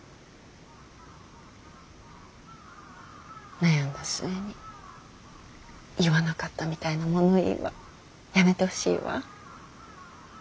悩んだ末に言わなかったみたいな物言いはやめてほしいわ。